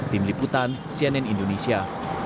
tim liputan cnn indonesia